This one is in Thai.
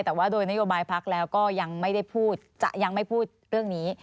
แต่ว่าโดยนโยบายพักแล้วก็ยังไม่พูดเรื่องนี้